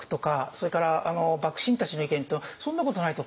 それから幕臣たちの意見だとそんなことないと。